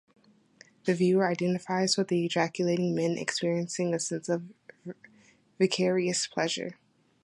The viewer identifies with the ejaculating men, experiencing a sense of vicarious pleasure.